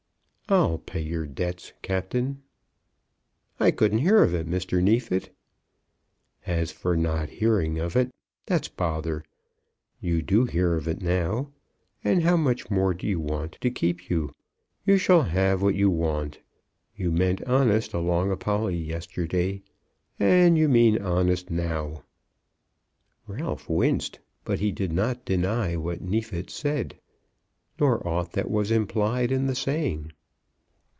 "I'll pay your debts, Captain." "I couldn't hear of it, Mr. Neefit." "As for not hearing of it, that's bother. You do hear of it now. And how much more do you want to keep you? You shall have what you want. You meant honest along of Polly yesterday, and you mean honest now." Ralph winced, but he did not deny what Neefit said, nor aught that was implied in the saying.